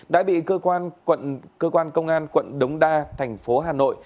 đã bị cơ quan công an quận đống đa tp hà nội